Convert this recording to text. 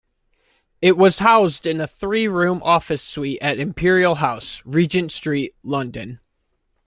It was housed in a three-room office suite at Imperial House, Regent Street, London.